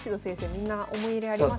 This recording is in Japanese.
みんな思い入れありますよね。